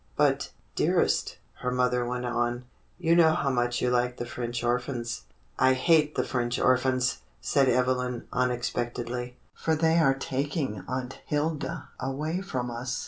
"But, dearest," her mother went on, "you know how much you like the French orphans." "I hate the French orphans!" said Evelyn unex pectedly. "For they are taking Aunt Hilda away from us."